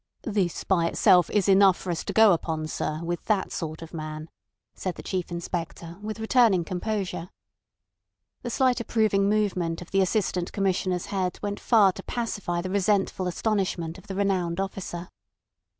"This by itself is enough for us to go upon, sir, with that sort of man," said the Chief Inspector, with returning composure. The slight approving movement of the Assistant Commissioner's head went far to pacify the resentful astonishment of the renowned officer.